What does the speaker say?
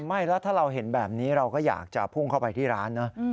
ไม่แล้วถ้าเราเห็นแบบนี้เราก็อยากจะพุ่งเข้าไปที่ร้านนะ